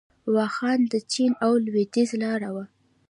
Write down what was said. واخان د چین او لویدیځ لاره وه